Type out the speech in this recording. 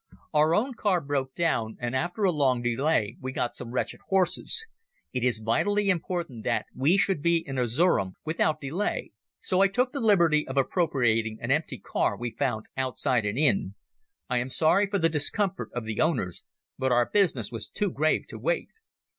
Our own car broke down, and after a long delay we got some wretched horses. It is vitally important that we should be in Erzerum without delay, so I took the liberty of appropriating an empty car we found outside an inn. I am sorry for the discomfort of the owners, but our business was too grave to wait."